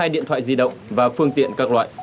ba mươi hai điện thoại di động và phương tiện các loại